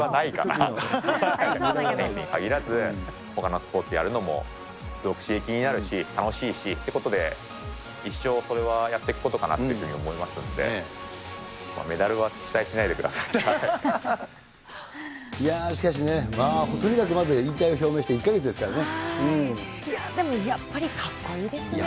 テニスに限らず、ほかのスポーツやることもすごく刺激になるし、楽しいしってことで、それは一生やっていくことかなって思いますので、メダルは期待ししかしね、とにかくまずでもやっぱりかっこいいですね。